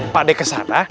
pak adi ke sana